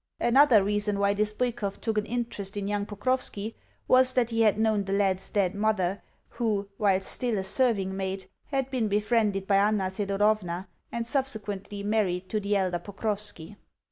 Another reason why this Bwikov took an interest in young Pokrovski was that he had known the lad's dead mother, who, while still a serving maid, had been befriended by Anna Thedorovna, and subsequently married to the elder Pokrovski.